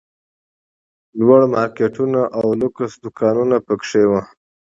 لوړ مارکېټونه او لوکس دوکانونه پکښې وو.